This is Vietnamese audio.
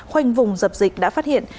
khoanh vùng dập dịch đã phát hiện